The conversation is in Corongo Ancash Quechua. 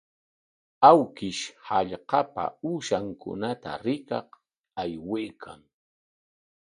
Awkish hallqapa uushankunata rikaq aywaykan.